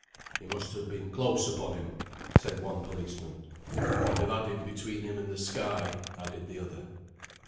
"He must have been close upon him," said one policeman. "And have had him between him and the sky," added the other.